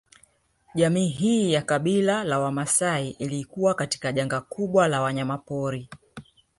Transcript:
Jamii hii ya kabila la Wamaasai ilikuwa katika janga kubwa la wanyama pori